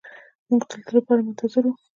موږ د تللو لپاره منتظر وو.